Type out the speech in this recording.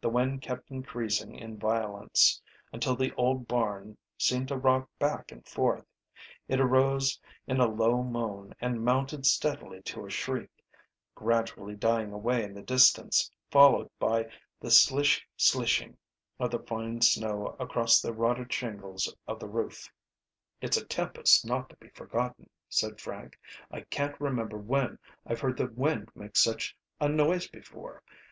The wind kept increasing in violence, until the old barn seemed to rock back and forth. It arose in a low moan and mounted steadily to a shriek, gradually dying away in the distance, followed by the slish slishing of the fine snow across the rotted shingles of the roof. "It's a tempest not to be forgotten," said Frank. "I can't remember when I've heard the wind make such a noise before.